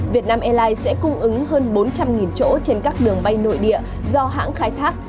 việt nam airlines sẽ cung ứng hơn bốn trăm linh chỗ trên các đường bay nội địa do hãng khai thác